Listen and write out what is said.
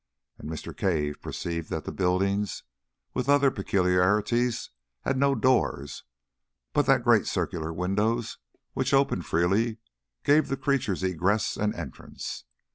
And Mr. Cave perceived that the buildings, with other peculiarities, had no doors, but that the great circular windows, which opened freely, gave the creatures egress and entrance.